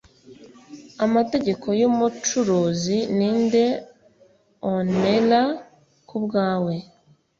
Amategeko yumucuruzi ninde aunera kubwawe